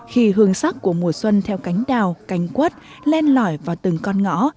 khi hương sắc của mùa xuân theo cánh đào cánh quất len lỏi vào từng con ngõ